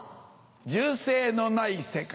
銃声のない世界。